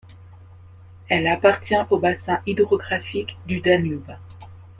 Elle appartient au bassin hydrographique du Danube.